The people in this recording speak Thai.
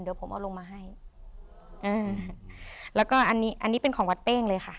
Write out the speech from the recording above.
เดี๋ยวผมเอาลงมาให้อืมแล้วก็อันนี้อันนี้เป็นของวัดเป้งเลยค่ะ